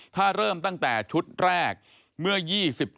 ถ้าเริ่มตั้งแต่ชุดแรก